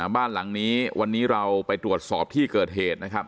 บ้านหลังนี้วันนี้เราไปตรวจสอบที่เกิดเหตุนะครับ